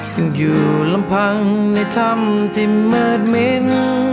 จึงอยู่ลำพังในถ้ำที่มืดมิ้น